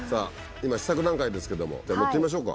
今試作段階ですけども乗ってみましょうか。